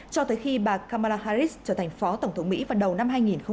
cho tới khi bà kamala harris trở thành phó tổng thống mỹ vào đầu năm hai nghìn hai mươi